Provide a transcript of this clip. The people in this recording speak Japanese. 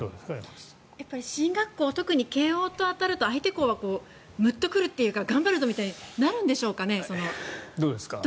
進学校、慶応と当たると相手校はむっと来るというか頑張るぞみたいになるんでしょうかね。